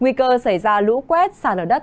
nguy cơ xảy ra lũ quét sạt lửa đất